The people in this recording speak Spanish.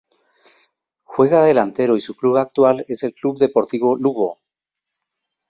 Juega de delantero y su club actual es el Club Deportivo Lugo.